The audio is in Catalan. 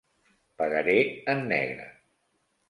Pagaré en negre.